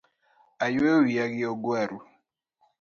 Ayuoyo wiya gi oguaru